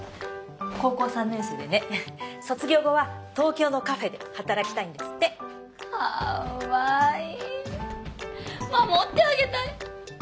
高校３年生でね卒業後は東京のカフェで働きたいんですってかわいい守ってあげたい！